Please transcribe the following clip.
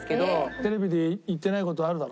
テレビで言ってない事あるだろ？